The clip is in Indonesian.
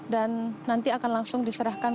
dan nanti akan langsung diserahkan